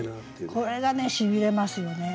これがねしびれますよね。